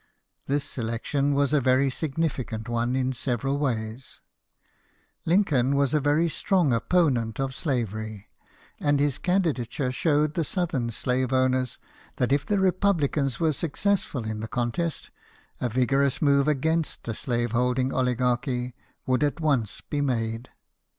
This selection was a very significant one in several ways ; Lincoln was a very strong opponent of slavery, and his candidature showed the southern slave owners that if the Republicans were successful in the contest, a vigorous move against the slave holding oligarchy would at once be made.